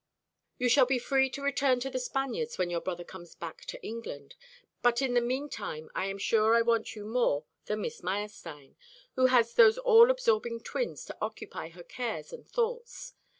You shall be free to return to The Spaniards when your brother comes back to England; but in the mean time I am sure I want you more than Miss Meyerstein, who has those all absorbing twins to occupy her cares and thoughts.